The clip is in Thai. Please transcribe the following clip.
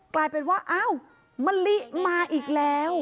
กลายเป็นว่าอ้าวมะลิมาอีกแล้ว